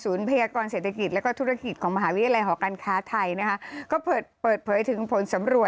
ศูนย์พยากรเศรษฐกิจแล้วก็ธุรกิจของมหาวิทยาลัย